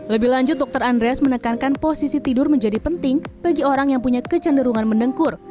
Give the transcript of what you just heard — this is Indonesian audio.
lebih lanjut dokter andreas menekankan posisi tidur menjadi penting bagi orang yang punya kecenderungan mendengkur